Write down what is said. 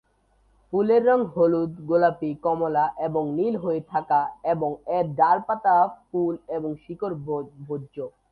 ফুলের রং হলুদ, গোলাপী, কমলা এবং নীল হয়ে থাকা এবং এর ডালপালা, পাতা, ফুল এবং শিকড় ভোজ্য।